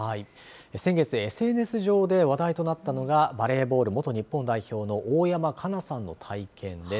先月、ＳＮＳ上で話題となったのが、バレーボール元日本代表の大山加奈さんの体験です。